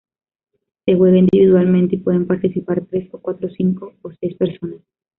Se juega individualmente y pueden participar tres, cuatro, cinco o seis personas.